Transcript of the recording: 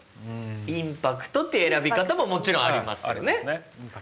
インパクトっていう選び方ももちろんありますよね。